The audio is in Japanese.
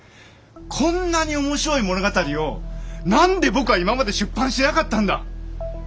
こんなに面白い物語を何で僕は今まで出版しなかったんだ！